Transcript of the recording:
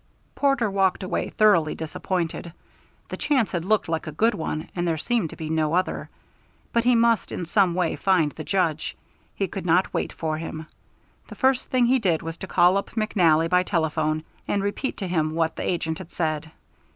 Porter walked away thoroughly disappointed. The chance had looked like a good one and there seemed to be no other. But he must in some way find the Judge; he could not wait for him. The first thing he did was to call up McNally by telephone and repeat to him what the agent had said.